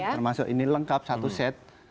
termasuk ini lengkap satu set